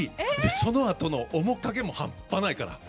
そのあとの「おもかげ」も半端ないから。